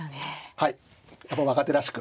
はいやっぱ若手らしくはい。